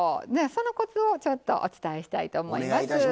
そのコツをお伝えしたいと思います。